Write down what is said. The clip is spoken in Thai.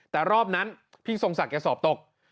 แต่รอบนั้นพี่ทรงศักดิ์สอบตก